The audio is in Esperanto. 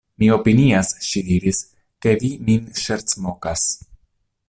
Mi opinias, ŝi diris, ke vi min ŝercmokas.